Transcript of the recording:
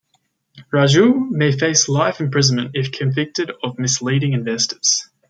Raju may face life imprisonment if convicted of misleading investors.